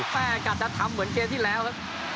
แปลการณ์รัฐธรรมเหมือนเกมที่แล้วครับ